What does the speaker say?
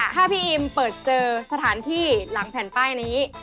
ถ้าพี่อิมเปิดเจอสถานที่หลังแผ่นป้ายนี้